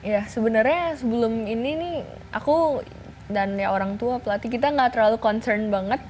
ya sebenarnya sebelum ini nih aku dan ya orang tua pelatih kita gak terlalu concern banget